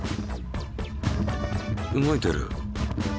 動いてる。